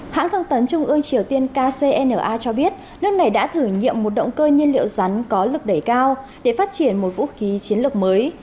hãng thông tấn trung ương triều tiên kcna cho biết nước này đã thử nghiệm một động cơ nhiên liệu rắn có lực đẩy cao để phát triển một vũ khí chiến lược mới